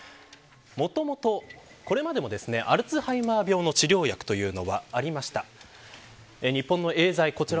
もともと、これまでもアルツハイマー病の治療薬というのはありました。